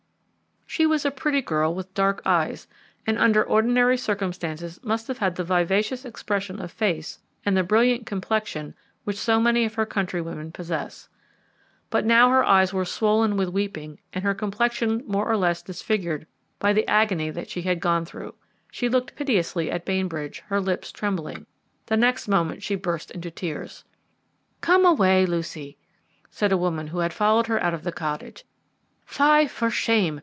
She was a pretty girl with dark eyes, and under ordinary circumstances must have had the vivacious expression of face and the brilliant complexion which so many of her countrywomen possess. But now her eyes were swollen with weeping and her complexion more or less disfigured by the agony she had gone through. She looked piteously at Bainbridge, her lips trembling. The next moment she burst into tears. "Come away, Lucy," said a woman who had followed her out of the cottage; "Fie for shame!